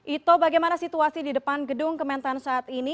ito bagaimana situasi di depan gedung kementan saat ini